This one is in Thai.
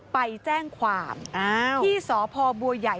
ไปแจ้งความที่สพบัวใหญ่